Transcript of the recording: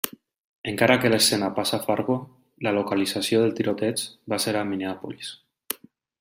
Encara que l'escena passa a Fargo, la localització del tiroteig va ser a Minneapolis.